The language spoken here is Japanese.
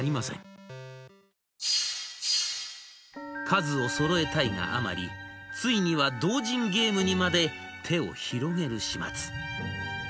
数をそろえたいがあまりついには「同人ゲーム」にまで手を広げる始末。